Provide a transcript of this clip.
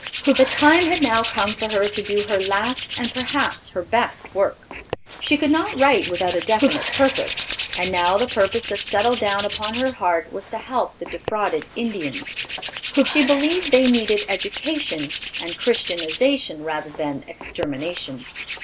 The time had now come for her to do her last and perhaps her best work. She could not write without a definite purpose, and now the purpose that settled down upon her heart was to help the defrauded Indians. She believed they needed education and Christianization rather than extermination.